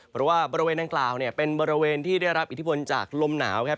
เพราะว่าบริเวณดังกล่าวเนี่ยเป็นบริเวณที่ได้รับอิทธิพลจากลมหนาวครับ